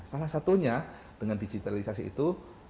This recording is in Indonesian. salah satunya dengan digitalisasi itu